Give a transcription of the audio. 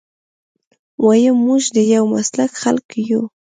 ويم موږ د يو مسلک خلک يو.